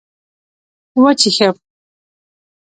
وچيښم